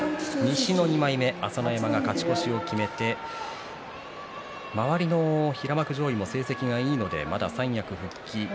西の２枚目朝乃山が勝ち越しを決めて周りの平幕上位の成績がいいのでまだ三役復帰